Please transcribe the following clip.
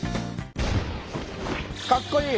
かっこいい！